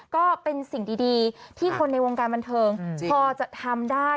ก็เป็นสิ่งดีที่คนในวงการบันเทิงพอจะทำได้